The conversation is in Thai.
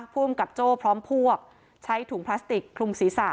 ภูมิกับโจ้พร้อมพวกใช้ถุงพลาสติกคลุมศีรษะ